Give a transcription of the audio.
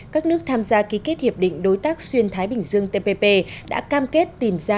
các nước tham gia ký kết hiệp định đối tác xuyên thái bình dương tpp đã cam kết tìm ra